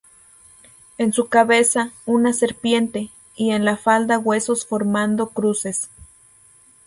En su cabeza, una serpiente, y en la falda huesos formando cruces.